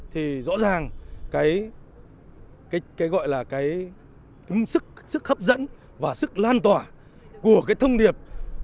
thì rõ ràng cái gọi là cái sức sức hấp dẫn và sức lan tỏa của cái thông điệp